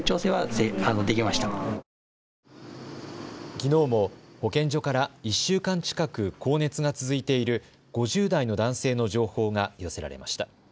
きのうも保健所から１週間近く高熱が続いている５０代の男性の情報が寄せられました。